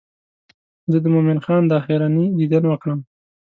زه د مومن خان دا آخرنی دیدن وکړم.